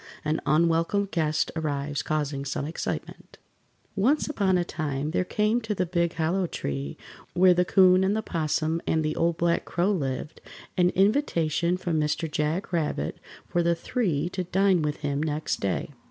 AN UNWELCOME GUEST ARRIVES CAUSING SOME EXCITEMENT Once upon a time there came to the big Hollow Tree, where the 'Coon and the 'Possum and the Old Black Crow lived, an invitation from Mr. Jack Rabbit for the three to dine with him next day.